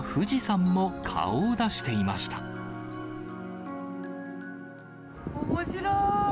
おもしろい。